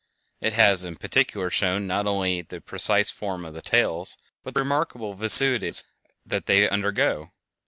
It has in particular shown not only the precise form of the tails, but the remarkable vicissitudes that they undergo.